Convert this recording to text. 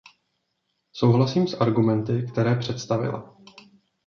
Souhlasím s argumenty, které představila.